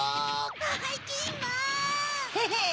ばいきんまん！